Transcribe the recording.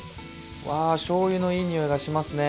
わあしょうゆのいい匂いがしますね！